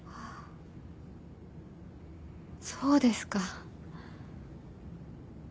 そうですか。